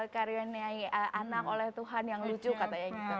karuniai anak oleh tuhan yang lucu katanya